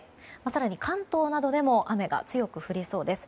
更に関東などでも雨が強く降りそうです。